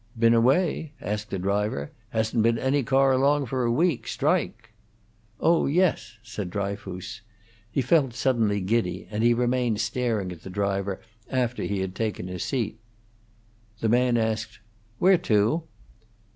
"Been away?" asked the driver. "Hasn't been any car along for a week. Strike." "Oh yes," said Dryfoos. He felt suddenly giddy, and he remained staring at the driver after he had taken his seat. The man asked, "Where to?"